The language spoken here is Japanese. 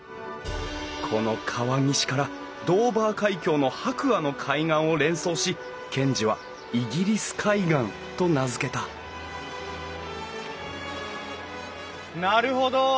この川岸からドーバー海峡の白亜の海岸を連想し賢治はイギリス海岸と名付けたなるほど。